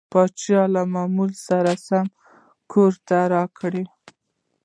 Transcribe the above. پاچا له معمول سره سم کور راکړ.